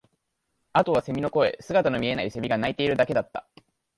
あとは蝉の声、姿の見えない蝉が鳴いているだけだった